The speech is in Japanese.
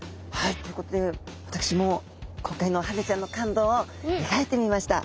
ということで私も今回のハゼちゃんの感動を描いてみました。